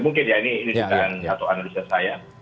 mungkin ya ini atau analisa saya